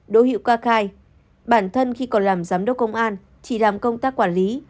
đỗ hiễu ca khai bản thân khi còn làm giám đốc công an chỉ làm công tác quản lý